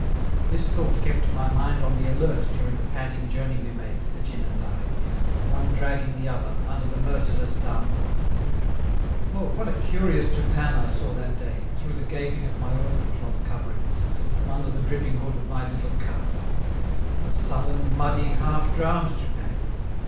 This thought kept my mind on the alert during the panting journey we made, the djin and I, one dragging the other, under the merciless downpour. Oh, what a curious Japan I saw that day, through the gaping of my oilcloth coverings, from under the dripping hood of my little cart! A sullen, muddy, half drowned Japan.